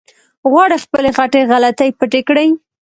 غواړي خپلې غټې غلطۍ پټې کړي.